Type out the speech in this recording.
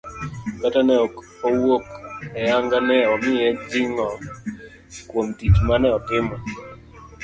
kata ne ok owuok ayanga, ne omiye jing'o kuom tich mane otimo.